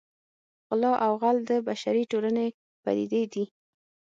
غلا او غل د بشري ټولنې پدیدې دي